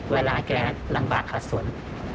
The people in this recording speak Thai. เวลาแกลังบากหัดสน